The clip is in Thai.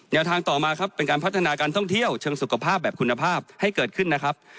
ทางต่อมาครับเป็นการพัฒนาการท่องเที่ยวเชิงสุขภาพแบบคุณภาพให้เกิดขึ้นนะครับ